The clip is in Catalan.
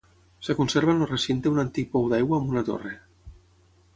Es conserva en el recinte un antic pou d'aigua amb una torre.